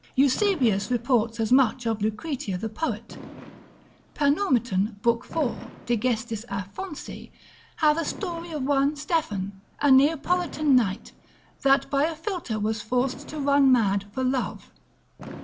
Eusebius reports as much of Lucretia the poet. Panormitan, lib. 4. de gest. Aphonsi, hath a story of one Stephan, a Neapolitan knight, that by a philter was forced to run mad for love.